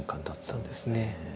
そうですね。